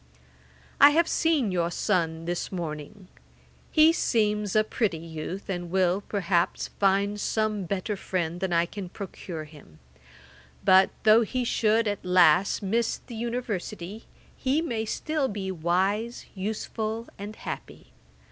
'I have seen your son this morning; he seems a pretty youth, and will, perhaps, find some better friend than I can procure him; but, though he should at last miss the University, he may still be wise, useful, and happy.